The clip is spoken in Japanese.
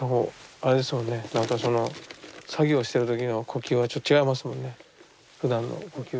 なんかその作業してる時の呼吸がちょっと違いますもんねふだんの呼吸と。